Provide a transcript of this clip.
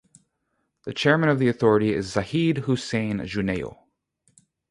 The Chairman of the authority is Zahid Hussain Junejo.